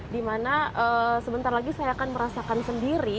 di mana sebentar lagi saya akan merasakan sendiri